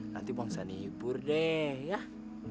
nanti bang sani hibur deh